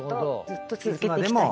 ずっと続けていきたい。